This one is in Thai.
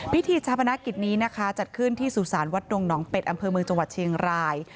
พิธีชาปนกิจนี้นะคะจัดขึ้นที่สุสานวัดดงหนองเป็ดอำเภอเมืองจังหวัดเชียงราย